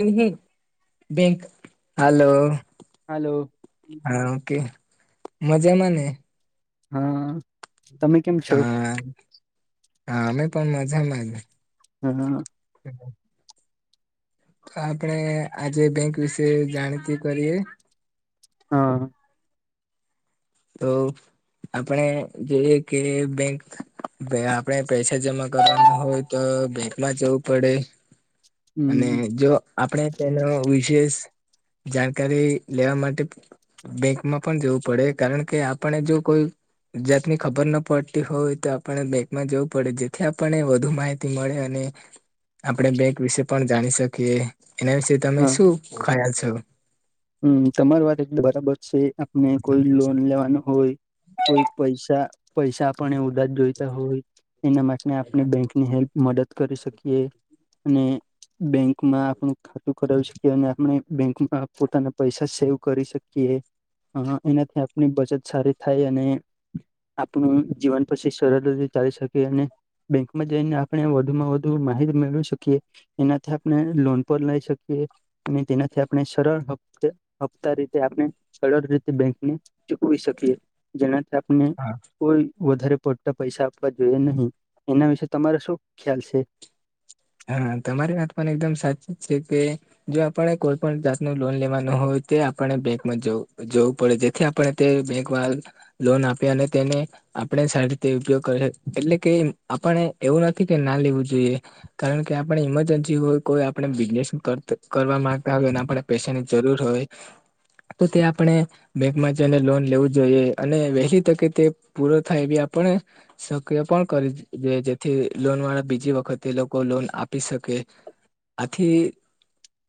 [unintelligible] ક hello. Hello હા okay મજામાંને. હા. તમે કેમ છો? હા હા અમે પણ મજામાં. [inaudible] હ. આપણે આજે બેંક વિશે જાણીતી કરીએ. હા. તો આપણે જોઈએ કે બેંક. આપણેે પૈસા જમા કરવા હોય તો, બેંકમાં જવું પડે. અને હમ જો આપડે. તેનો વિશેષ જાણકારી લેવા માટે. બેંકમાં પણ જવું પડે, કારણ કે આપણે જો કોઈ જાતની ખબર ન પડતી હોય તો, આપણે બેંકમાં જવું પડે, જેથી આપણે વધુ માહિતી મળે, અને આપણે બેંક વિશે પણ જાણી શકીએ, એના વિશે? તમે હા શું ખયાલ છો? હમ, તમાર વાત એ બરાબર છે, આપને કોઈ લોન લેવાનું હોય. કોઈ પૈસા-પૈસા આપણને ઉધા જ જોઈતા હોય. એના માટે આપણે બેંકની હેલ્પ મદદ કરી શકીએ, અને બેંકમાં આપણું ખાતું કરાવું શકીએ, અને આપણે બેંકમાં પોતાના પૈસા સેવ કરી શકીએ. હ, એનાથી આપની બચત સારી થાય, અને આપણું જીવન પછી સરળ રીતે ચાલી શકે, અને બેંકમાં જઈને, આપણે વધુમાં વધુ માહિતી મેળવી શકીએ. એનાથી આપણે લોન પણ લઈ શકીએ, અને તેનાથી આપણે સરળ હપ્તા રીતે આપણે બેંકને ચૂકવી શકીએ. જેના થ આપને હા કોઈ વધારે પડતા પૈસા આપવા જોઈએ નહી, એના વિશે તમારા શું ખ્યાલ છે? હા, તમારી પણ એકદમ સાચી વાત છે. જો આપણે કોઈ પણ જાત ન લોન લેવા ન હોય તો, આપણે બેંકમાં જવું પડે છે. આપણે તે બેંક લોન આપી, અને તેને આપણેે સારી રીતે ઉપયોગ કરે, એટલે કે આપણે એવું નથી કે, ના લેવું જોઈએ. કારણ કે, આપણે ઈમરજન્સી હોય, કોઈ આપણે બિઝનેસ કરવા માંગતા હોયને આપણે. પૈસાની જરૂર હોય તો, તે આપણે બેંકમાં જને લોન લેવું જોઈએ, અને વહેલી તકે તે પૂરો થાય, એ બ આપણે સક્રિય પણ કરી જે, જેથી લોન વાળા બીજી વખતે લોકો કો લોન આપી શકે, આથી.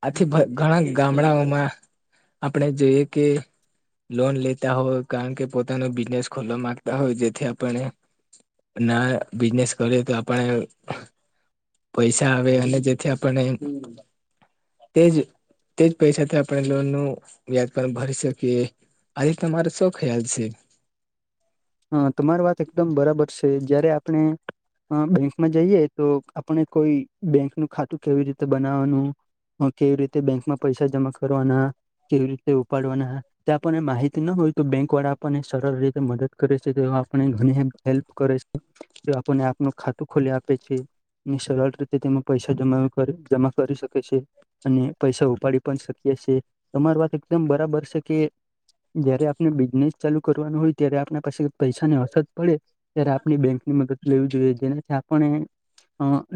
આથી ગામડાઓમાં જોઈએ કે. લોન લેતા હોય, કારણ કે પોતાનો બિઝનેસ ખુલ્લો માંગતા હોય, જેથી આપણે ના બિઝનેસ કરીએ તો, આપણે પૈસા આવે, અને જેથી આપણે તેજ તે જ પૈસાથી આપણે લોન નું યાજ ભરી શકીએ. આજે તમારો શૌ ખ્યાલ છે? હા, તમારી વાત એકદમ બરાબર છે, જયારે આપણે હ, બેંકમાં જઈએ, આપણે કોઈ બેંક નું ખાતું કેવી બનાવાનું. હ, કેવી રીતે બેંકમાં પૈસા જમા કરવાના? કેવી રીતે ઉપાડવાના? તે આપણને માહિતી ના હોય તો, બેંક વાળા આપણને સરળ રીતે મદદ. છે હેલ્પ કરે છે, આપને આપ ખાતું ખોલી આપે છે. ની સરળ રીતે તેમાં પૈસા જમા જમા કરી શકે છે. અને પૈસા ઉપાડી પણ શકીએએ, તમારી વાત એકદમ બરાબર છે કે. જયારે આપણે બિઝનેસ ચાલુ કરવાનું હોય ત્યારે આપણે પછી પૈસાની અસર પડે ત્યારે આપણી બેંક ની મદદ લેવી જોઈએ જેનાથી આપણે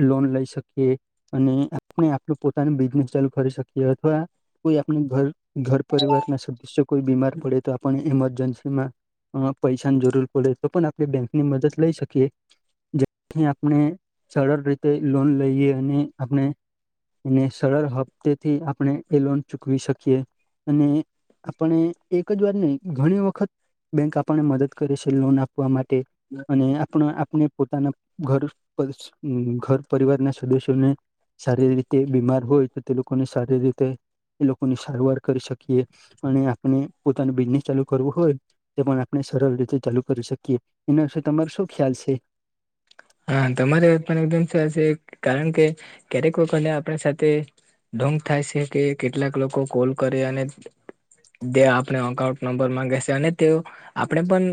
લોન લઈ શકિયે. અને આપણે આપું પોતાનું બિઝનેસ ચાલુ કરી શકીએ અથવા કોઈ આપનું ઘર ઘર પરિવારના સદસ્ય કોઈ બીમાર પડે તો આપણે ઈમરજન્સીમાં એમાં, પૈસાની જરૂર પડે તો પણ આપણે બેંક ની મદદ લઈ શકીએ. જેથી આપણે સરળ રીતે લોન લઈએ અને આપણે ને સરળ હપ્તેથી આપણે એ લોન ચૂકવી શકીએ અને આપણે એક જ વાત નહી ઘણી વખત બેંક આપ પણ મદદ કરે છે લોન આપવા માટે અને આપણે આપણા પોતાના ઘર પરિ-હમ- પરિવારના સદસ્યોને, સારી રીતે બીમાર હોય તો તે લોકોને સારી રીતે એ લોકોની સારવાર કરી શકીએ અને આપણે પોતાનું બિઝનેસ ચાલુ કરવું હોય તે પણ આપણે સરળ રીતે ચાલુ કરી શકીએ એના વિશે તમારો શું ખ્યાલ છે. હા તમારી વાત પણ એકદમ સાચી કારણ ક્યારેક લોકો ને આપણી સાથે ઢોંગ થાય છે કે કેટલાક લોકો કોલ કરે અને જે આપણે અકાઉન્ટ નંબર માંગે છે અને તેઓ આપણે પણ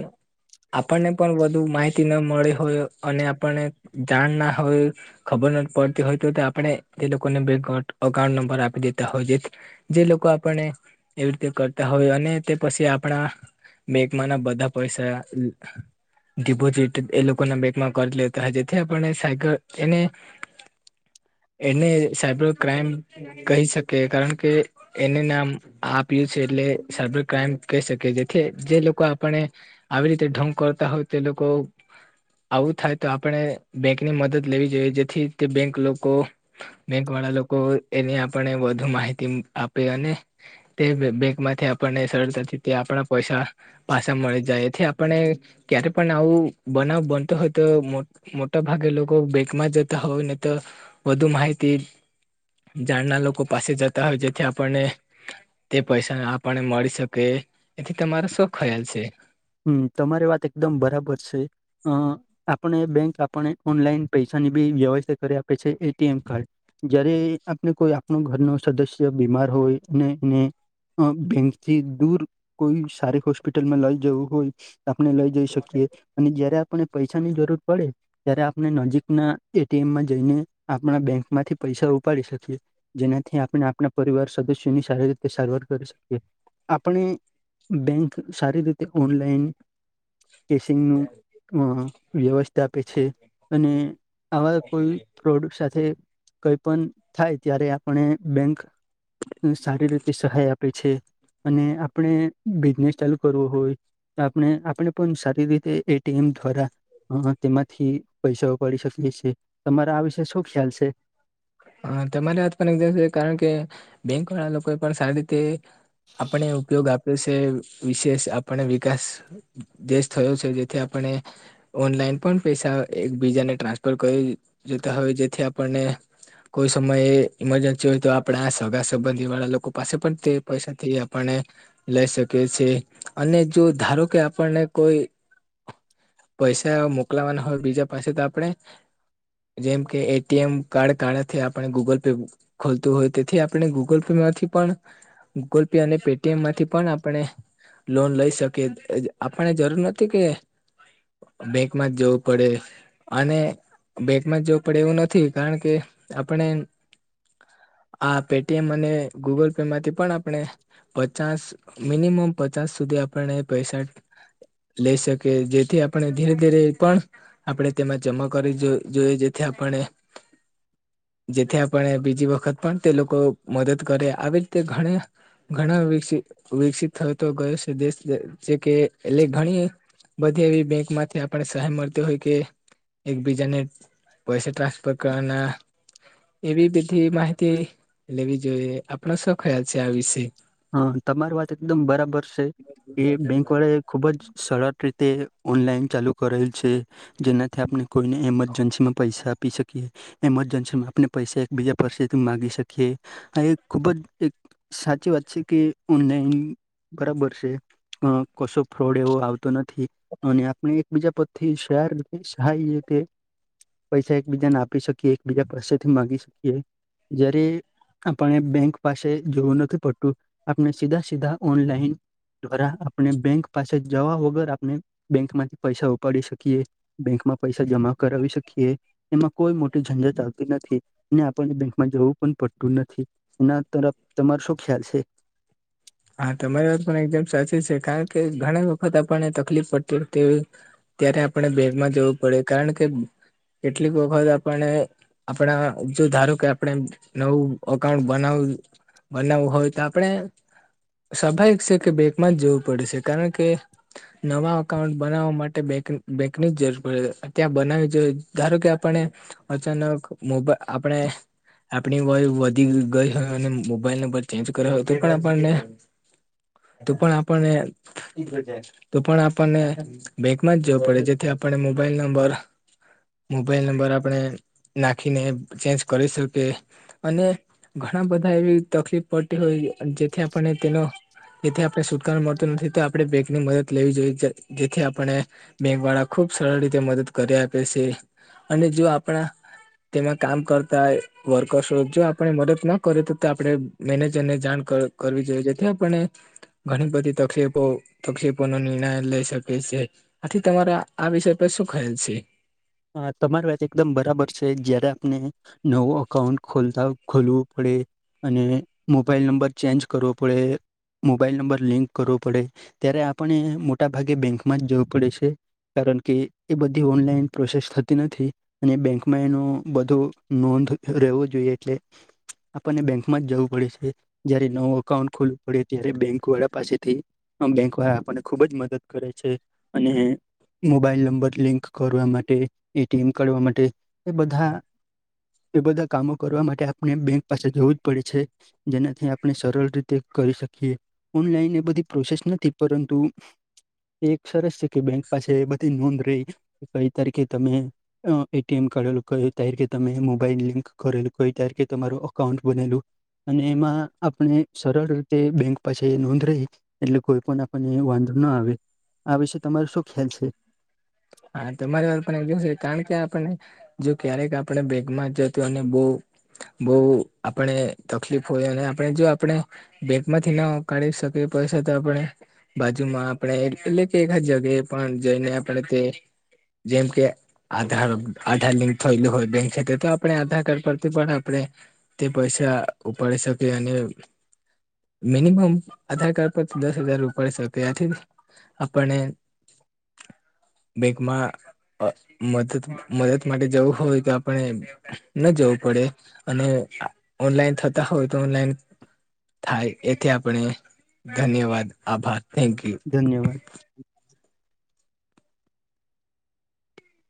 આપણને પણ વધુ માહિતી ના મળે હોય અને આપણને જાણ ના હોય. ખબર નથી પડતી હોય તો આપણે તે લોકોને બેક અકાઉન્ટ નંબર આપી દેતા હોય છે. જે લોકો આપણને એવી રીતે કરતા હોય અને તે પછી આપણા બેંકમાં ના બધાં પૈસા ડિપોઝિટ એ ના બેંકમાં કરી લે આજેથી આપને સાઈકલ એને એને સાયબર ક્રાઈમ કહી શકે કારણ કે એને નામ આપીએ છે એટલે સાયબર ક્રાઈમ કહી શકે એટલે જે લોકો આપણે આવી રીતે ઢોંગ કરતા હોય તે લોકો આવું થાય. તો આપણે બેંક ની મદદ લેવી જોઈએ જેથી તે બેંક લોકો બેંક વાળા લોકો એની આપને વધુ માહિતી આપે અને તે બેંક માંથી આપણને સરળતાથી તે આપણા પૈસા પાછા મળી જાય એથી આપણે ક્યારે પણ આવું બનાવ બનતો હો તો મોટા ભાગે લોકો બેકમાં જતા હોય ને તો વધુ માહિતી ઝાડના લોકો પાસે જતા હોય જેથી આપણને. તે પૈસાને આપણને મળી શકે એથી તમારો શું ખ્યાલ છે? હમ્મ તમારી વાત એકદમ બરાબર છે. અહહ- આપણે બેંક આપને ઓનલાઈન પૈસાની બી વ્યવસ્થા કરી આપે છે એટીએમ કાર્ડ. જયારે આપને કોઈ આપણ ઘરનો સદસ્ય બીમાર હોય અને એને અહ -બેંક થી દૂર કોઈ સારી હોસ્પિટલમાં લઈ જવું. હોય આપણે લઈ જઈ શકીએ અને જયારે આપને પૈસા ની જરૂર પડે. ત્યારે આપણે નજીકના એટીએમમાં જઈને આપણા બેંક માંથી પૈસા ઉપાડી શકીએ. જેનાથી આપણે આપણા પરિવાર સદસ્યોની સારી રીતે સારવાર કરી શકીએ આપણે બેંક સારી રીતે ઓનલાઈન કેશિંગનું અ વ્યવસ્થા આપે છે અને આવા કોઈ પ્રોડક્ટ સાથે કઈ પણ થાય ત્યારે આપણે બેંક સારી રીતે સહાય આપે અને આપણે બિઝનેસ ચાલુ કરવો હોય. તો આપણે આપણે પણ સારી રીતે એટીએમ દ્વારા અમે તેમાંથી પૈસા ઉપાડી શકીએ છીએ તમારા આ વિષ શું ખ્યાલ છે. હ તમારી વાત પણ એક કારણ કે બેંક વાળા લોકો પણ સારી રીતે આપણે ઉપયોગ આપ્યો છે. [unintelligible] વિશેષ આપણે વિકાસ દેશ થયો છે જેથી આપણે ઓનલાઈન પણ પૈસા એકબીજાને ટ્રાન્સફર કરી જોતા હોય જેથી આપણને કોઈ સમયે ઈમરજન્સી હોય તો આપણા સગા સંબંધી વાળા લોકો પાસે પણ તે પૈસાથી આપને લઈ શકે છે અને જો ધારો કે આપણને કોઈ પૈસા મોકલાવાના હોય બીજા પાસે તો આપણે જેમ કે એટીએમ કાડૅ કાડૅથી આપણે ગૂગલ પે ખોલતું હોય તેથી આપણે ગૂગલ પે માંથી પણ ગૂગલ પે અને પેટીએમમાંથી પણ આપણે લોન લઈ શકીએ આપણને જરૂર નથી કે બેંક માં જ જવું પડે અને બેંક માં જ જવું પડે એવું નથી. કારણ કે આપણે આ પેટીએમ અને ગૂગલ પે માંથી પણ આપણે પચાસ મિનિમમ પચાસ સુધી આપણને પૈસા લઈ શકે જેથી આપણે ધીરે ધીરે પણ આપણે તેમાં જમા કરી જોઈ જોઈએ જેથી આપણે જેથી આપણે બીજી વખત પણ તે લોકો મદદ કરે આવી રીતે ઘણા ઘણા વિક વિકસિત થતો ગયો છે દેશ જે જેકે એટલે ઘણી બધી એવી બેંક માંથી આપને સહાય મળતી હોય કે એકબીજાને પૈસા ટ્રાન્સ [unintelligible] એવી બધી માહિતી લેવી જોઈએ આપણો શું ખ્યાલ છે આ વિશે. હા તમારી વાત એકદમ બરાબર છે. એ બેંક વડે ખૂબ જ સરળ રીતે ઓનલાઈન ચાલુ કરેલ છે. જેનાથી આપણે કોઈને ઈમરજન્સીમાં પૈસા આપી શકીએ એમરજન્સીમાં આપણે પૈસા એકબીજા પાસેથી માંગી શકીએ. હ એ ખુબ જ એક સાચી વાત છે કે ઓનલાઈન બરાબર છે. અ કશો ફ્રોડ એવો આવતો નથી. અને આપણે એકબીજા પરથી શેર શાઈ હકે પૈસા એકબીજાને આપી શકીએ એકબીજા પાસેથી માગી શકીએ. જયારે આપને બેંક પાસે જોવું નથી પડતું. તો આપને સીધા સીધા ઓનલાઇન દ્વારા આપણે બેંક પાસે જવા વગર આપણે બેંક માંથી પૈસા ઉપાડી શકીએ. બેંકમાં પૈસા જમા કરાવી શકીએ. એમાં કોઈ મોટી ઝંઝટ આવતી નથી ને આપણને બેંકમાં જવું પણ પડતું નથી. એના તરફ તમારો શું ખ્યાલ છે. હા તમારી વાત પણ એકદમ સાચી છે. કારણ કે ઘણી વખત આપણને તકલીફ પડતી હો તેવી ત્યારે આપણે બેંકમાં જવું પડે કારણ કે કેટલીક વખત આપણે આપણા જો ધારો કે આપણે નવું અકાઉન્ટ બનાવું બનાવવું હોય તો આપણે સ્વાભાવિક છે કે બેકમાં જ જવું પડશે. કારણ કે નવા અકાઉન્ટ બનાવવા માટે બેક બેંકની જ જરૂર પડે ત્યાં બનાવી જોઈ ધારો કે આપણે અચાનક મોબાઈલ આપણે આપણી વય વધી ગઈ હોય અને મોબાઈલ નંબર ચેન્જ કર્યો હોય તો પણ આપણને [inaudible] તો પણ આપણને [unintelligible] તો પણ આપણને બેંકમાં જ, જેથી આપણને મોબાઈલ નંબર મોબાઈલ નંબર આપણે નાખીને, ચેન્જ કરી શકીએ. અને ઘણા બધા એવી તકલીફ પડતી હોય, જેથી પણ તેનો. જેથી આપણે સુૂટકા મળતો નથી, તે આપણેે બેંક ની મદદ લેવી જોઈએ, જેથી આપણે બેંક વાળા ખુબ સરળ રીતે મદદ કરી આપે છે, અને જો આપણા તેમાં કામ કરતા વર્કર્સો, જો આપણે મદદ ના કરે તો, તો આપડે મેનેજર ને જાણ કર. કરવી જોઈએ, જેથી આપને. ઘણી બધી તકલીફો તકલીફો નો નિર્ણય લઈ શકે છે. આથી તમારા આ વિષય પર શું ખ્યાલ છે? હા, તમારી વાત એકદમ બરાબર છે, જયારે આપને નવું અકાઉંન્ટ ખોલતા ખોલવું પડે. અને મોબાઈલ નંબર ચેન્જ કરવો પડે. મોબાઈલ નંબર લિંક કરવો પડે, ત્યારે આપણે મોટા ભાગે બેંકમાં જ જવું પડે છે. કારણ કે, એ બધી ઓનલાઈન પ્રોસેસ થતી નથી, અને બેંકમાં એનો નોંધ રહેવો એટલે. આપણને બેંક માં જવું પડે છે. હ, જયારે નવું અકાઉન્ટ ખોલવું પડે, ત્યારે બેંક વાળા પાસેથી આ બેંક વાળ આપણને ખુબ જ મદદ કરે છે, અને મોબાઈલ નંબર લિંક કરવા માટે, એટીએમ કાઢવા માટે એ બધા એ બધા કામો કરવા માટે, આપણે બેંક પાસે જવું જ પડે છે. જેનાથી આપણે સરળ રીતે કરી શકીએ. ઓનલાઈન એ બધી પ્રોસેસ નથી, પરંતુ એક સરસ છે કે, બેંક પાસે બધી નોંધ રહી, કઈ તારીખ તમે એટીએમ કાઢેલું, ક ત્યારે કે, તમે મોબાઈલ લિંક કરેલું, કહ ત્યારે કે તમારું અકાઉન્ટ બનેલું. અને એમાં આપણે સરળ રીતે બેંક પાસે નોંધ રહી. એટલે આપણને વાંધો ના આવે, આ વિશે તમારો શું ખ્યાલ છે? હા, તમારી વાત પણ એકવ છે, કારણ કે આપને જો ક્યારેક આપણે બેગમાં જ જત અને બહુ બહુ આપણે તકલીફ હોય, અને આપણે જો આપણે બેંક કાઢી શકી પૈસા તો આપણે બાજુમાં આપણે એટલે કે એકા જગ્યાએ પણ જઈને, આપણે તે જેમ કે આધાર આધાર લિંક થયેલું હોય, બેંક ખ તો આપણે આધાર કાર્ડ પરથી પણ આપણે તે પૈસા ઉપાડી શકે અને મિનિમમ આધાર કાર્ડ પરથી દસ હજાર ર ઉપાડ શેકેથી આપણને. બેગમાં. મદ મદદ માટે જવું હોય તો, આપણે ન જવું પડે. અને ઓનલાઈન થતા હોય તો, ઓનલાઈન થાય, એથી આપણે ધન્યવાદ, આભાર, થેન્ક યુ. ધન્યવાદ.